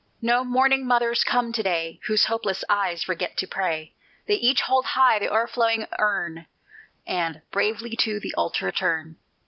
No mourning mothers come to day Whose hopeless eyes forget to pray: They each hold high the o'erflowing urn, And bravely to the altar turn.